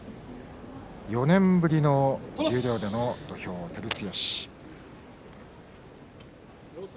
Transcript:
４年ぶりの十両での土俵、照強。